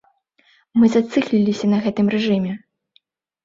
Мы зацыкліліся на гэтым рэжыме!